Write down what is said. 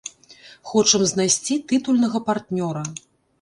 Хочам знайсці тытульнага партнёра.